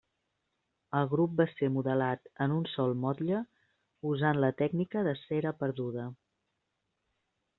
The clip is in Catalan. El grup va ser modelat en un sol motlle usant la tècnica de cera perduda.